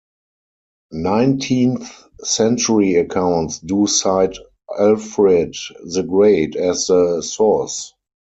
Nineteenth-century accounts do cite Alfred the Great as the source.